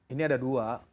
ini ada dua